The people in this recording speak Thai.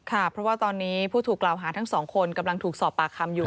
ค่ะเพราะว่าตอนนี้ผู้ถูกกล่าวหาทั้งสองคนกำลังถูกสอบปากคำอยู่